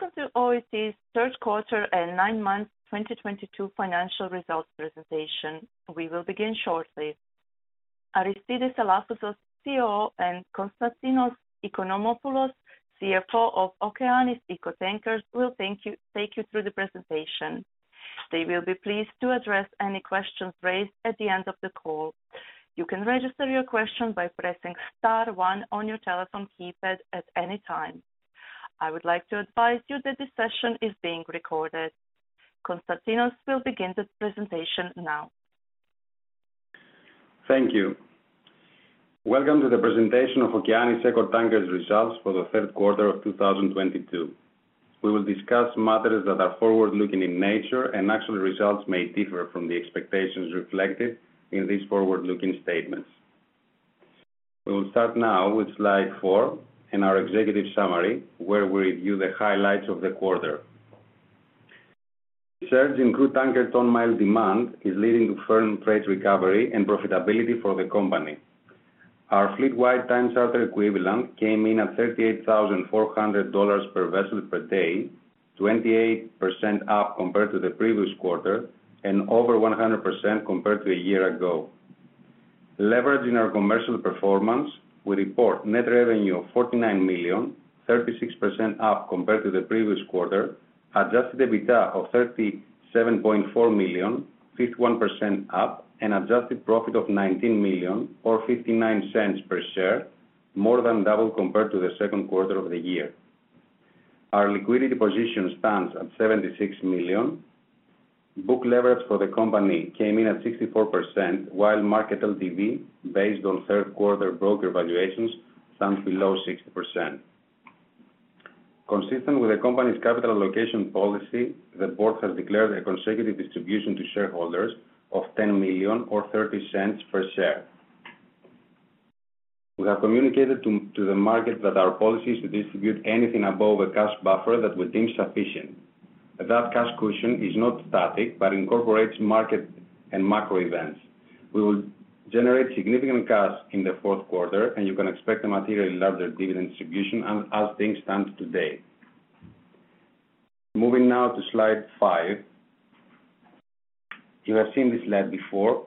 Welcome to OET's Third Quarter and Nine Months 2022 Financial Results Presentation. We will begin shortly. Aristidis Alafouzos, CEO, and Konstantinos Oikonomopoulos, CFO of Okeanis Eco Tankers will take you through the presentation. They will be pleased to address any questions raised at the end of the call. You can register your question by pressing star one on your telephone keypad at any time. I would like to advise you that this session is being recorded. Konstantinos will begin the presentation now. Thank you. Welcome to the presentation of Okeanis Eco Tankers results for the third quarter of 2022. We will discuss matters that are forward-looking in nature and actual results may differ from the expectations reflected in these forward-looking statements. We will start now with slide four in our executive summary, where we review the highlights of the quarter. Surging in crude tanker ton-mile demand is leading to firm trade recovery and profitability for the company. Our fleet-wide time charter equivalent came in at $38,400 per vessel per day, 28% up compared to the previous quarter and over 100% compared to a year ago. Leveraging our commercial performance, we report net revenue of $49 million, 36% up compared to the previous quarter. Adjusted EBITDA of $37.4 million, 51% up, and adjusted profit of $19 million or $0.59 per share, more than double compared to the second quarter of the year. Our liquidity position stands at $76 million. Book leverage for the company came in at 64%, while market LTV, based on third quarter broker valuations, stands below 60%. Consistent with the company's capital allocation policy, the board has declared a consecutive distribution to shareholders of $10 million or $0.30 per share. We have communicated to the market that our policy is to distribute anything above a cash buffer that we deem sufficient, but that cash cushion is not static, but incorporates market and macro events. We will generate significant cash in the fourth quarter, and you can expect a materially larger dividend distribution as things stand today. Moving now to slide five. You have seen this slide before,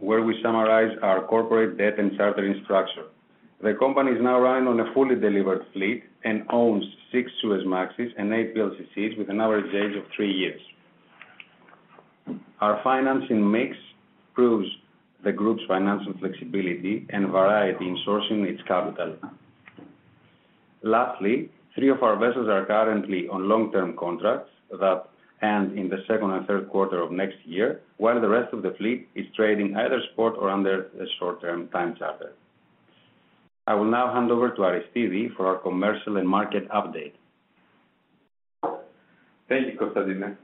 where we summarize our corporate debt and chartering structure. The company is now running on a fully delivered fleet and owns six Suezmaxes and eight VLCCs with an average age of three years. Our financing mix proves the group's financial flexibility and variety in sourcing its capital. Lastly, three of our vessels are currently on long-term contracts that end in the second and third quarter of next year, while the rest of the fleet is trading either spot or under a short-term time charter. I will now hand over to Aristidis for our commercial and market update. Thank you, Konstantinos.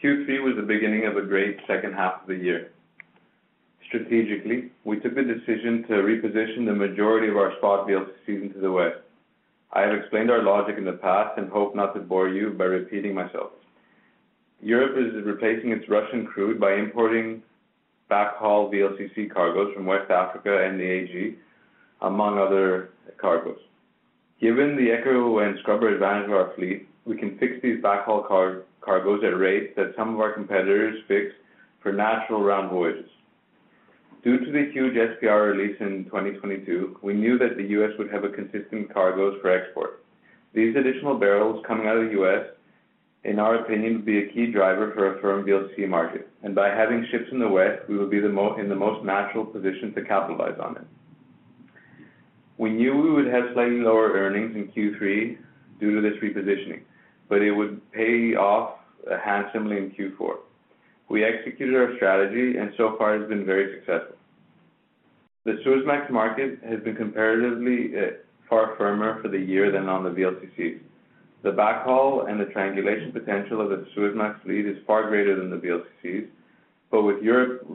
Q3 was the beginning of a great second half of the year. Strategically, we took the decision to reposition the majority of our spot VLCCs into the West. I have explained our logic in the past and hope not to bore you by repeating myself. Europe is replacing its Russian crude by importing backhaul VLCC cargoes from West Africa and the AG, among other cargoes. Given the ECO and scrubber advantage of our fleet, we can fix these backhaul cargoes at rates that some of our competitors fixed for natural round voyages. Due to the huge SPR release in 2022, we knew that the U.S. would have a consistent cargoes for export. These additional barrels coming out of the U.S., in our opinion, would be a key driver for a firm VLCC market. By having ships in the West, we will be in the most natural position to capitalize on it. We knew we would have slightly lower earnings in Q3 due to this repositioning, but it would pay off handsomely in Q4. We executed our strategy, and so far it's been very successful. The Suezmax market has been comparatively far firmer for the year than on the VLCCs. The backhaul and the triangulation potential of the Suezmax fleet is far greater than the VLCCs, but with Europe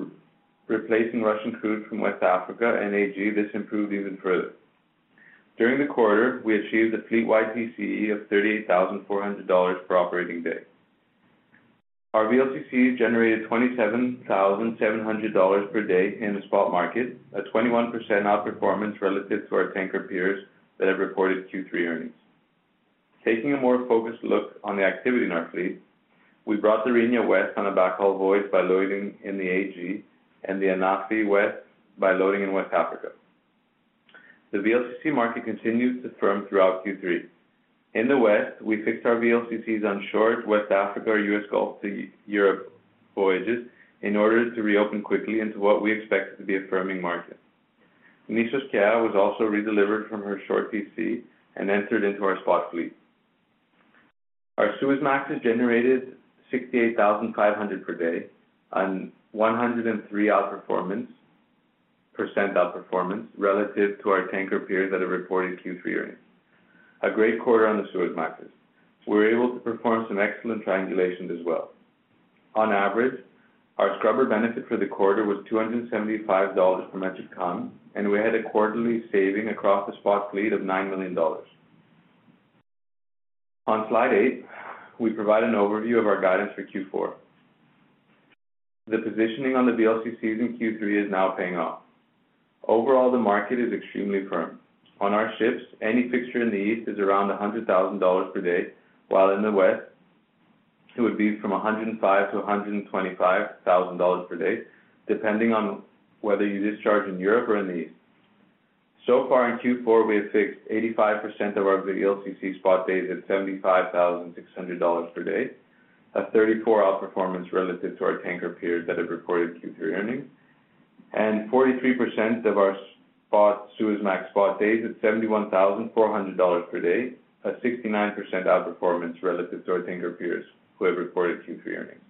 replacing Russian crude from West Africa and AG, this improved even further. During the quarter, we achieved a fleet-wide TCE of $38,400 per operating day. Our VLCC generated $27,700 per day in the spot market, a 21% outperformance relative to our tanker peers that have reported Q3 earnings. Taking a more focused look on the activity in our fleet, we brought the [Nissos Rhenia] on a backhaul voyage by loading in the AG and the [Nissos Anafi] by loading in West Africa. The VLCC market continued to firm throughout Q3. In the West, we fixed our VLCCs on short West Africa or U.S. Gulf to Europe voyages in order to reopen quickly into what we expect to be a firming market. Nissos Kea was also redelivered from her short PC and entered into our spot fleet. Our Suezmax has generated $68,500 per day on 103% outperformance relative to our tanker peers that have reported Q3 earnings. A great quarter on the Suezmax. We were able to perform some excellent triangulations as well. On average, our scrubber benefit for the quarter was $275 per metric ton, and we had a quarterly saving across the spot fleet of $9 million. On slide eight, we provide an overview of our guidance for Q4. The positioning on the VLCCs in Q3 is now paying off. Overall, the market is extremely firm. On our ships, a fixture in the east is around $100,000 per day, while in the west it would be from $105,000-$125,000 per day, depending on whether you discharge in Europe or in the East. So far in Q4, we have fixed 85% of our VLCC spot days at $75,600 per day. A 34% outperformance relative to our tanker peers that have reported Q3 earnings. 43% of our spot Suezmax spot days at $71,400 per day, a 69% outperformance relative to our tanker peers who have reported Q3 earnings.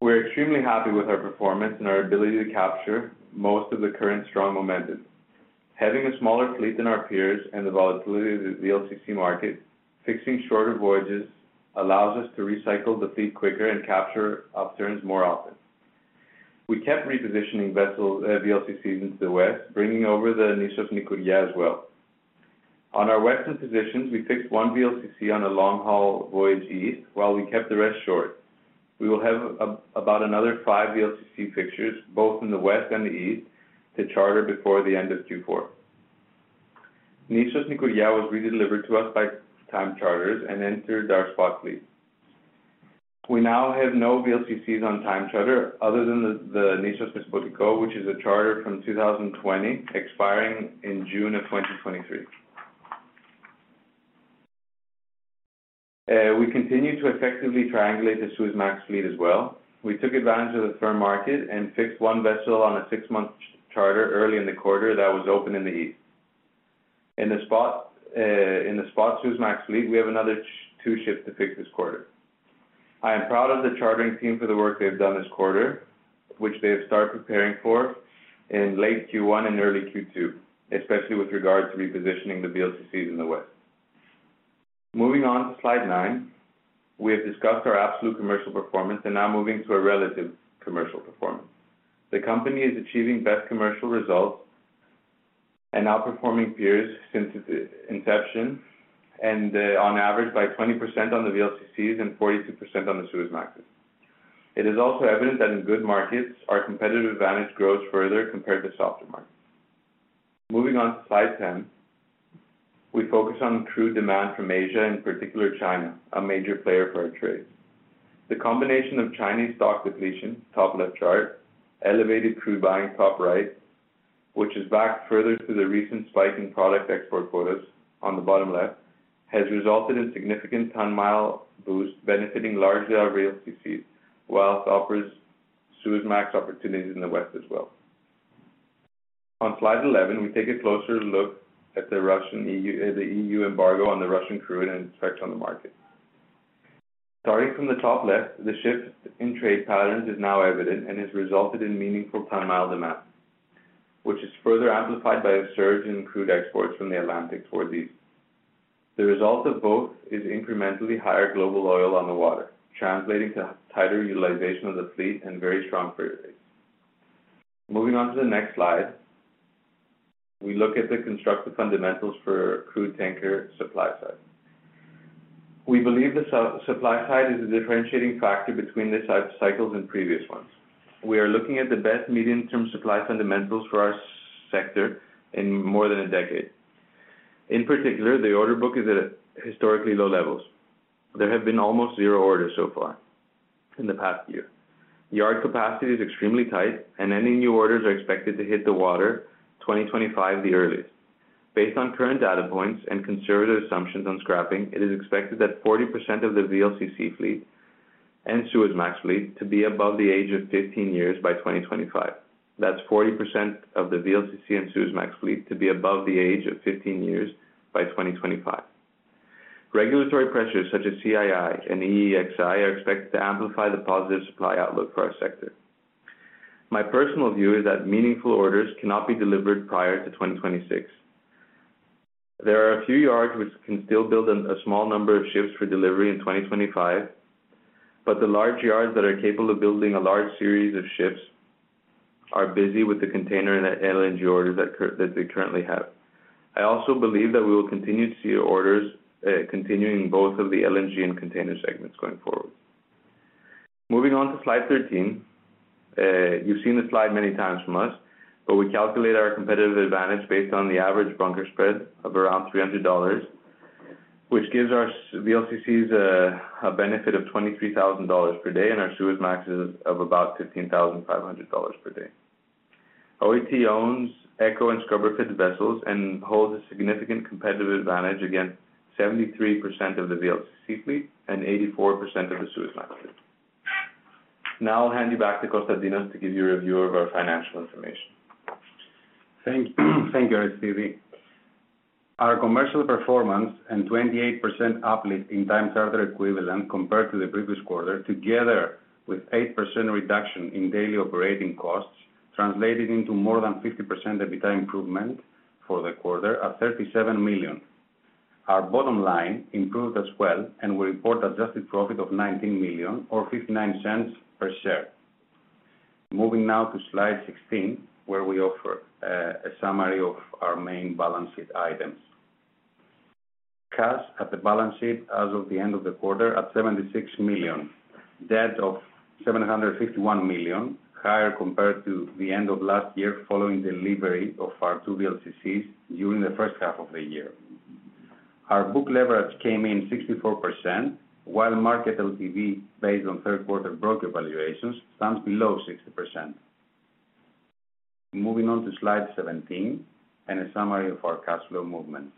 We're extremely happy with our performance and our ability to capture most of the current strong momentum. Having a smaller fleet than our peers and the volatility of the VLCC market, fixing shorter voyages allows us to recycle the fleet quicker and capture upturns more often. We kept repositioning vessels, VLCCs into the west, bringing over the Nissos Nikouria as well. On our western positions, we fixed one VLCC on a long-haul voyage east while we kept the rest short. We will have about another five VLCC fixtures, both in the west and the east, to charter before the end of Q4. Nissos Nikouria was redelivered to us by time charters and entered our spot fleet. We now have no VLCCs on time charter other than the Nissos Despotiko, which is a charter from 2020 expiring in June 2023. We continue to effectively triangulate the Suezmax fleet as well. We took advantage of the firm market and fixed one vessel on a six-month charter early in the quarter that was open in the east. In the spot Suezmax fleet, we have another two ships to fix this quarter. I am proud of the chartering team for the work they have done this quarter, which they have started preparing for in late Q1 and early Q2, especially with regard to repositioning the VLCCs in the west. Moving on to slide nine. We have discussed our absolute commercial performance and now moving to a relative commercial performance. The company is achieving best commercial results and outperforming peers since its inception and on average by 20% on the VLCCs and 42% on the Suezmaxes. It is also evident that in good markets, our competitive advantage grows further compared to softer markets. Moving on to slide 10, we focus on crude demand from Asia, in particular China, a major player for our trades. The combination of Chinese stock depletion, top left chart, elevated crude buying, top right, which is backed further to the recent spike in product export quotas on the bottom left, has resulted in significant ton-mile boost, benefiting largely our VLCCs, whilst offering Suezmax opportunities in the West as well. On slide 11, we take a closer look at the EU embargo on the Russian crude and its effect on the market. Starting from the top left, the shift in trade patterns is now evident and has resulted in meaningful ton-mile demand, which is further amplified by a surge in crude exports from the Atlantic towards East. The result of both is incrementally higher global oil on the water, translating to tighter utilization of the fleet and very strong freight rates. Moving on to the next slide, we look at the constructive fundamentals for crude tanker supply side. We believe the supply side is a differentiating factor between these cycles and previous ones. We are looking at the best medium-term supply fundamentals for our sector in more than a decade. In particular, the order book is at historically low levels. There have been almost zero orders so far in the past year. Yard capacity is extremely tight and any new orders are expected to hit the water 2025 the earliest. Based on current data points and conservative assumptions on scrapping, it is expected that 40% of the VLCC fleet and Suezmax fleet to be above the age of 15 years by 2025. That's 40% of the VLCC and Suezmax fleet to be above the age of 15 years by 2025. Regulatory pressures such as CII and EEXI are expected to amplify the positive supply outlook for our sector. My personal view is that meaningful orders cannot be delivered prior to 2026. There are a few yards which can still build a small number of ships for delivery in 2025, but the large yards that are capable of building a large series of ships are busy with the container and LNG orders that they currently have. I also believe that we will continue to see orders, continuing in both of the LNG and container segments going forward. Moving on to slide 13. You've seen this slide many times from us, but we calculate our competitive advantage based on the average bunker spread of around $300, which gives our VLCCs a benefit of $23,000 per day and our Suezmaxes of about $15,500 per day. OET owns ECO and scrubber-fit vessels and holds a significant competitive advantage against 73% of the VLCC fleet and 84% of the Suezmax fleet. Now I'll hand you back to Konstantinos to give you a review of our financial information. Thank you, Aristidis. Our commercial performance and 28% uplift in Time Charter Equivalent compared to the previous quarter, together with 8% reduction in daily operating costs, translated into more than 50% EBITDA improvement for the quarter at $37 million. Our bottom line improved as well, and we report adjusted profit of $19 million or $0.59 per share. Moving now to slide 16, where we offer a summary of our main balance sheet items. Cash at the balance sheet as of the end of the quarter at $76 million. Debt of $751 million, higher compared to the end of last year following delivery of our two VLCCs during the first half of the year. Our book leverage came in 64%, while market LTV based on third quarter broker valuations stands below 60%. Moving on to slide 17 and a summary of our cash flow movement.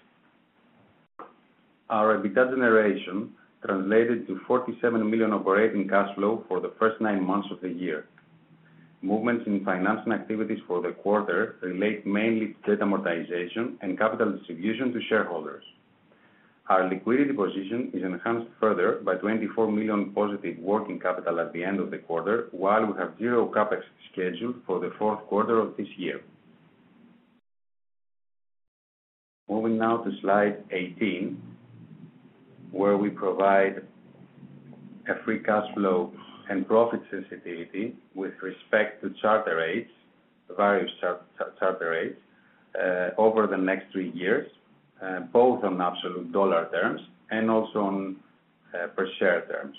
Our EBITDA generation translated to $47 million operating cash flow for the first nine months of the year. Movements in financing activities for the quarter relate mainly to debt amortization and capital distribution to shareholders. Our liquidity position is enhanced further by $24 million positive working capital at the end of the quarter, while we have zero CapEx scheduled for the fourth quarter of this year. Moving now to slide 18, where we provide a free cash flow and profit sensitivity with respect to charter rates, various charter rates, over the next three years, both on absolute dollar terms and also on per share terms.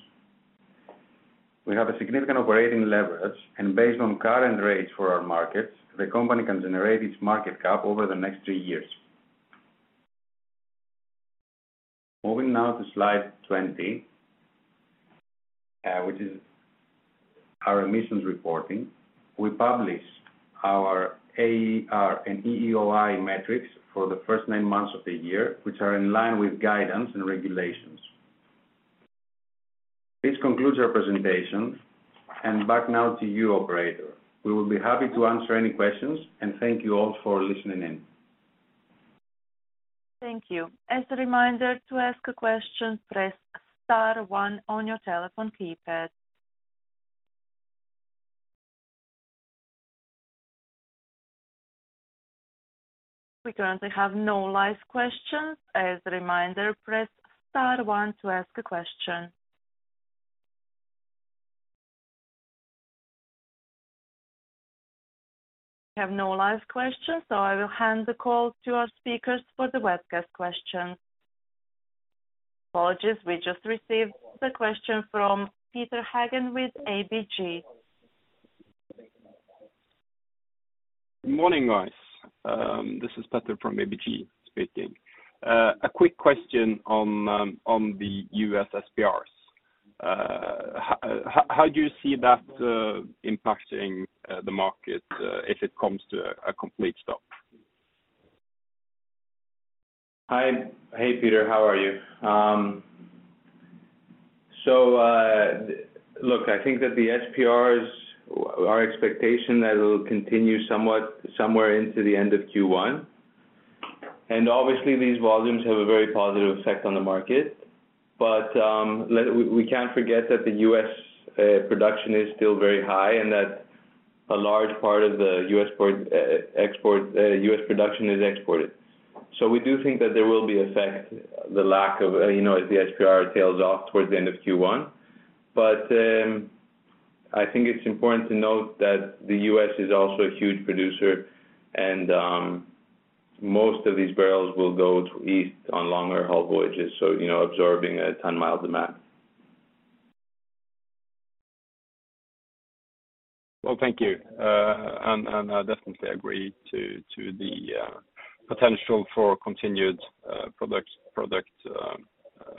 We have a significant operating leverage, and based on current rates for our markets, the company can generate its market cap over the next three years. Moving now to slide 20, which is our emissions reporting. We publish our AER and EEOI metrics for the first nine months of the year, which are in line with guidance and regulations. This concludes our presentation, and back now to you, operator. We will be happy to answer any questions, and thank you all for listening in. Thank you. As a reminder, to ask a question, press star one on your telephone keypad. We currently have no live questions. As a reminder, press star one to ask a question. We have no live questions, so I will hand the call to our speakers for the webcast questions. Apologies, we just received a question from Petter Haugen with ABG. Morning, guys. This is Petter from ABG speaking. A quick question on the U.S. SPRs. How do you see that impacting the market if it comes to a complete stop? Hi. Hey, Petter. How are you? I think that the SPRs, our expectation that it'll continue somewhat, somewhere into the end of Q1. Obviously these volumes have a very positive effect on the market. I think it's important to note that the U.S. is also a huge producer and most of these barrels will go to the East on longer haul voyages, so, you know, absorbing a ton-mile demand. Well, thank you. I definitely agree to the potential for continued product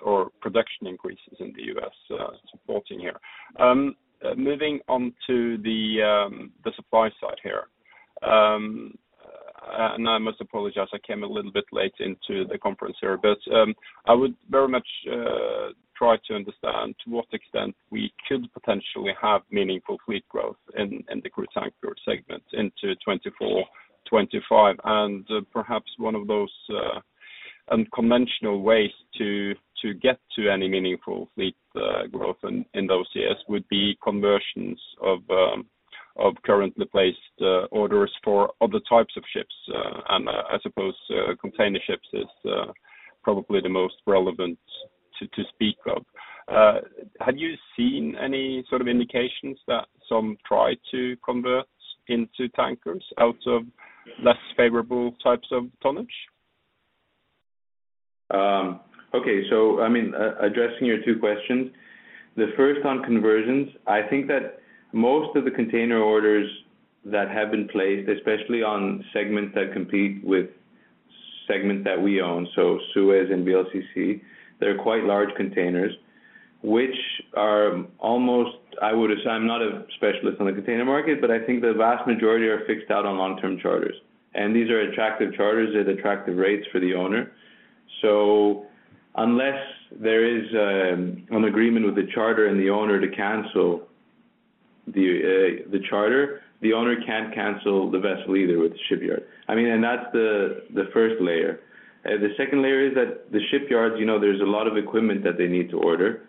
or production increases in the U.S. supporting here. Moving on to the supply side here. I must apologize, I came a little bit late into the conference here, but I would very much try to understand to what extent we could potentially have meaningful fleet growth in the crude tanker segment into 2024, 2025. Perhaps one of those unconventional ways to get to any meaningful fleet growth in those years would be conversions of currently placed orders for other types of ships. I suppose container ships is probably the most relevant to speak of. Have you seen any sort of indications that some try to convert into tankers out of less favorable types of tonnage? Okay. I mean, addressing your two questions. The first on conversions. I think that most of the container orders that have been placed, especially on segments that compete with segments that we own, so Suezmax and VLCC, they're quite large containers, which are almost, I would assume. I'm not a specialist on the container market, but I think the vast majority are fixed out on long-term charters. These are attractive charters at attractive rates for the owner. Unless there is an agreement with the charterer and the owner to cancel the charter, the owner can't cancel the vessel either with the shipyard. I mean, that's the first layer. The second layer is that the shipyards, you know, there's a lot of equipment that they need to order.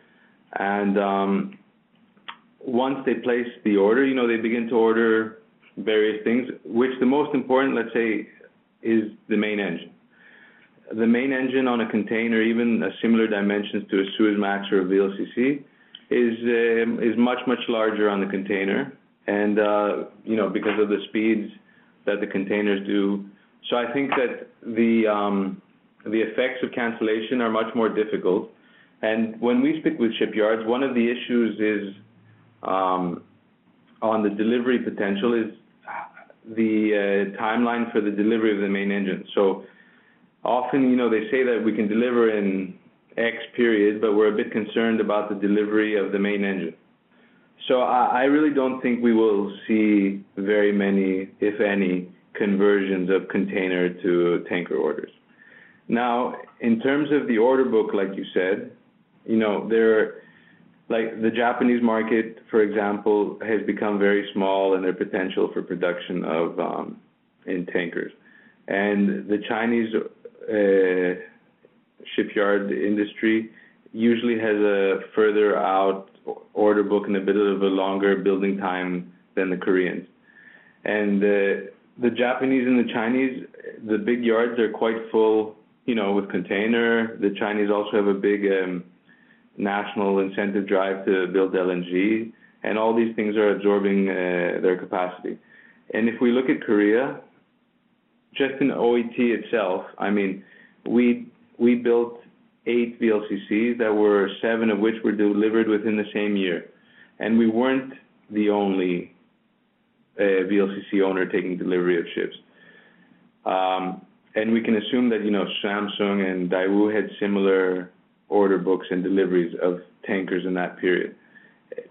Once they place the order, you know, they begin to order various things, which the most important, let's say, is the main engine. The main engine on a container, even a similar dimensions to a Suezmax or a VLCC, is much, much larger on the container. You know, because of the speeds that the containers do. I think that the effects of cancellation are much more difficult. When we speak with shipyards, one of the issues is on the delivery potential is the timeline for the delivery of the main engine. Often, you know, they say that we can deliver in X period, but we're a bit concerned about the delivery of the main engine. I really don't think we will see very many, if any, conversions of container to tanker orders. Now, in terms of the order book, like you said, you know, like, the Japanese market, for example, has become very small in their potential for production of tankers. The Chinese shipyard industry usually has a further out order book and a bit of a longer building time than the Koreans. The Japanese and the Chinese, the big yards are quite full, you know, with containers. The Chinese also have a big national incentive drive to build LNG, and all these things are absorbing their capacity. If we look at Korea, just in OET itself, I mean, we built eight VLCCs, seven of which were delivered within the same year. We weren't the only VLCC owner taking delivery of ships. We can assume that, you know, Samsung and Daewoo had similar order books and deliveries of tankers in that period.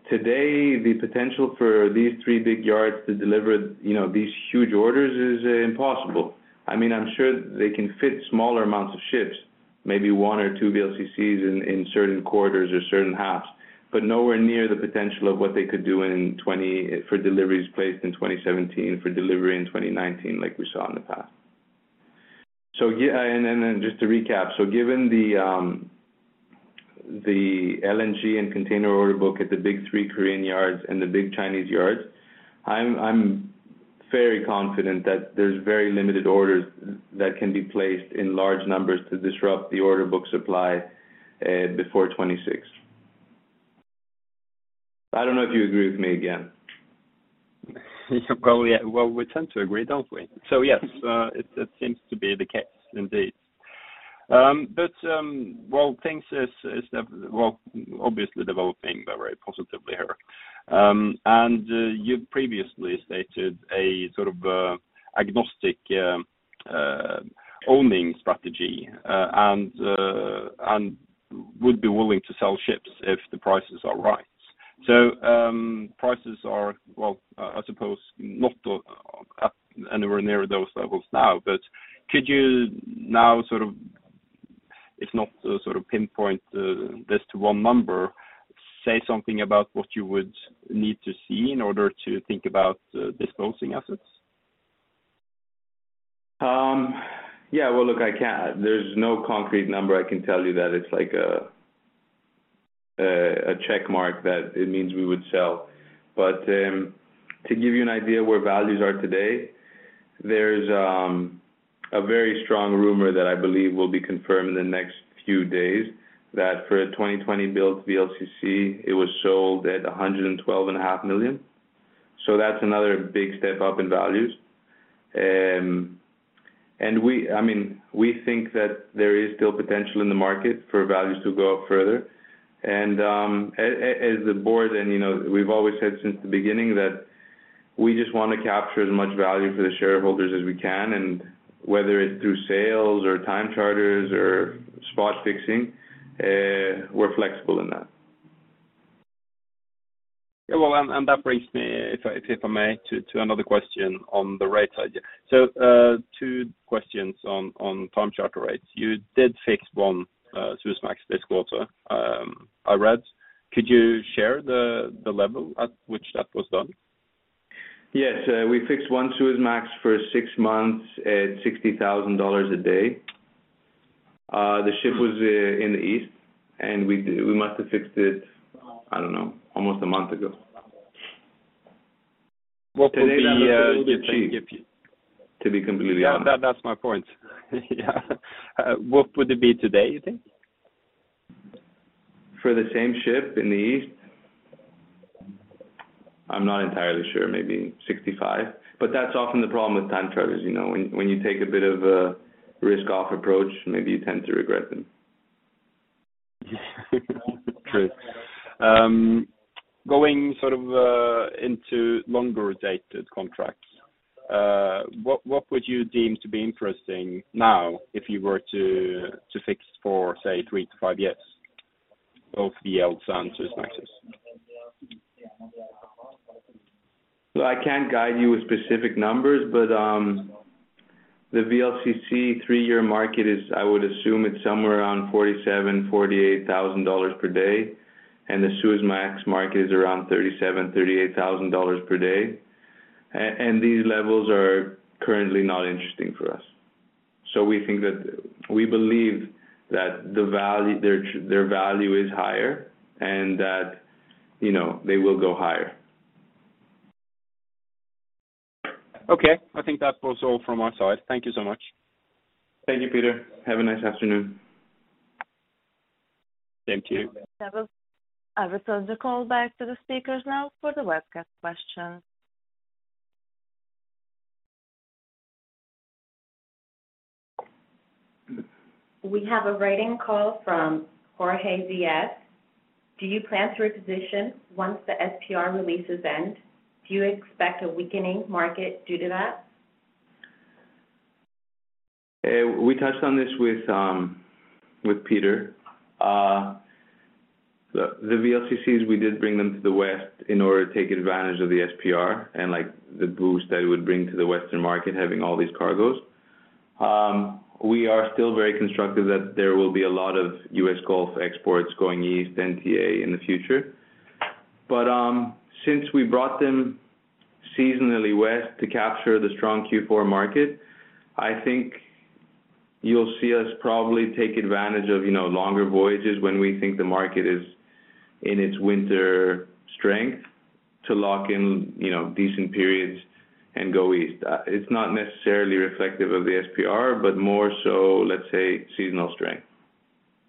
Today, the potential for these three big yards to deliver, you know, these huge orders is impossible. I mean, I'm sure they can fit smaller amounts of ships, maybe one or two VLCCs in certain quarters or certain halves, but nowhere near the potential of what they could do for deliveries placed in 2017 for delivery in 2019 like we saw in the past. Just to recap, given the LNG and container order book at the big three Korean yards and the big Chinese yards, I'm very confident that there's very limited orders that can be placed in large numbers to disrupt the order book supply before 2026. I don't know if you agree with me again. Well, yeah, we tend to agree, don't we? Yes, it seems to be the case indeed. Well, things is well obviously developing very positively here. You previously stated a sort of agnostic owning strategy and would be willing to sell ships if the prices are right. Prices are, well, I suppose not up anywhere near those levels now, but could you now sort of, if not, sort of pinpoint this to one number, say something about what you would need to see in order to think about disposing assets? Yeah. Well, look, I can't. There's no concrete number I can tell you that it's like a check mark that it means we would sell. To give you an idea where values are today, there's a very strong rumor that I believe will be confirmed in the next few days, that for a 2020-built VLCC, it was sold at $112.5 million. That's another big step up in values. We, I mean, we think that there is still potential in the market for values to go up further. As the board, you know, we've always said since the beginning that we just wanna capture as much value for the shareholders as we can, and whether it's through sales or time charters or spot fixing, we're flexible in that. Yeah. Well, that brings me, if I may, to another question on the rate side, yeah. Two questions on time charter rates. You did fix one Suezmax this quarter, I read. Could you share the level at which that was done? Yes. We fixed one Suezmax for six months at $60,000 a day. The ship was in the east, and we must have fixed it, I don't know, almost a month ago. What would be the- To maybe achieve. If you- To be completely honest. That's my point. Yeah. What would it be today, you think? For the same ship in the East? I'm not entirely sure. Maybe 65. But that's often the problem with time charters, you know. When you take a bit of a risk-off approach, maybe you tend to regret them. True. Going sort of into longer dated contracts, what would you deem to be interesting now if you were to fix for, say, three-five years of VLCC and Suezmaxes? I can't guide you with specific numbers, but the VLCC three-year market is, I would assume it's somewhere around $47,000-$48,000 per day, and the Suezmax market is around $37,000-$38,000 per day. These levels are currently not interesting for us. We believe that the value, their value is higher and that, you know, they will go higher. Okay. I think that was all from our side. Thank you so much. Thank you, Petter. Have a nice afternoon. Thank you. I will return the call back to the speakers now for the webcast questions. We have a question from. [inaudible] Do you plan to reposition once the SPR releases end? Do you expect a weakening market due to that? We touched on this with Petter. The VLCCs, we did bring them to the west in order to take advantage of the SPR and, like, the boost that it would bring to the Western market, having all these cargoes. We are still very constructive that there will be a lot of U.S. Gulf exports going east NTA in the future. Since we brought them seasonally west to capture the strong Q4 market, I think you'll see us probably take advantage of, you know, longer voyages when we think the market is in its winter strength to lock in, you know, decent periods and go east. It's not necessarily reflective of the SPR, but more so, let's say, seasonal strength.